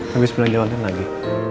habis beli jualan lagi